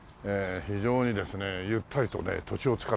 非常にですねゆったりとね土地を使ってるんですけども。